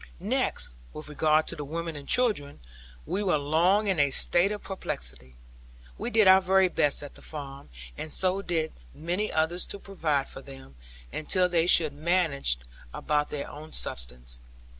Next, with regard to the women and children, we were long in a state of perplexity. We did our very best at the farm, and so did many others to provide for them, until they should manage about their own subsistence.